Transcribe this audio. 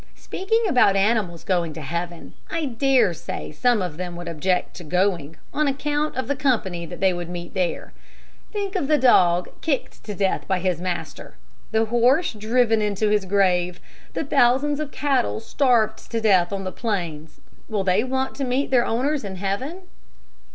Speaking about animals going to heaven, I dare say some of them would object to going, on account of the company that they would meet there. Think of the dog kicked to death by his master, the horse driven into his grave, the thousands of cattle starved to death on the plains will they want to meet their owners in heaven?"